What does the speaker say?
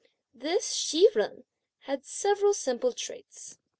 This Hsi Jen had several simple traits.